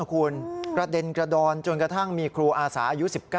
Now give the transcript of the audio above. คุณกระเด็นกระดอนจนกระทั่งมีครูอาสาอายุ๑๙